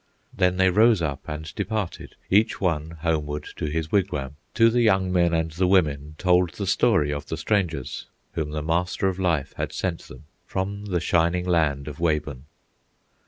Then they rose up and departed Each one homeward to his wigwam, To the young men and the women Told the story of the strangers Whom the Master of Life had sent them From the shining land of Wabun.